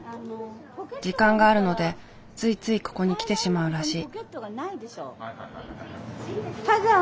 時間があるのでついついここに来てしまうらしい。